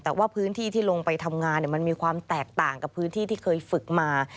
แต่ว่าพื้นที่ที่ลงไปทำงานมันมีความแตกต่างกับพื้นที่ที่เคยฝึกมา